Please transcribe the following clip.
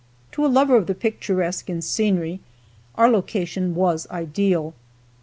To a lover of the picturesque in scenery our location was ideal.